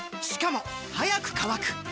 しかも速く乾く！